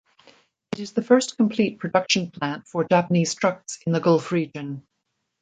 It is the first complete production plant for Japanese trucks in the Gulf region.